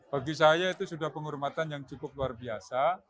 bagi saya itu sudah penghormatan yang cukup luar biasa